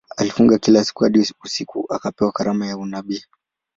Alifunga kila siku hadi usiku akapewa karama ya unabii.